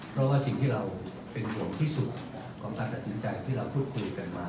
เพราะว่าสิ่งที่เราเป็นห่วงที่สุดของการตัดสินใจที่เราพูดคุยกันมา